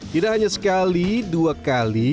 tidak hanya sekali dua kali